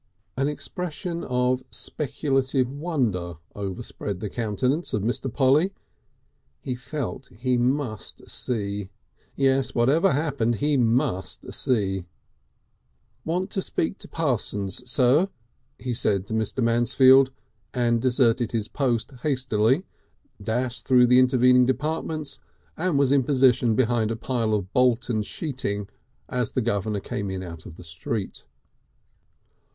An expression of speculative wonder overspread the countenance of Mr. Polly. He felt he must see. Yes, whatever happened he must see. "Want to speak to Parsons, Sir," he said to Mr. Mansfield, and deserted his post hastily, dashed through the intervening departments and was in position behind a pile of Bolton sheeting as the governor came in out of the street.